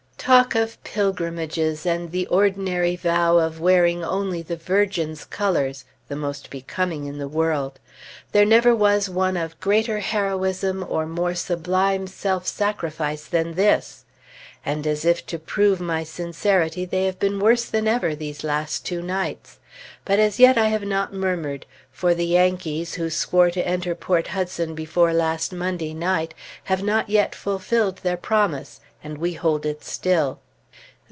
Talk of pilgrimages, and the ordinary vow of wearing only the Virgin's colors (the most becoming in the world); there never was one of greater heroism or more sublime self sacrifice than this. And as if to prove my sincerity, they have been worse than ever these last two nights. But as yet I have not murmured; for the Yankees, who swore to enter Port Hudson before last Monday night, have not yet fulfilled their promise, and we hold it still.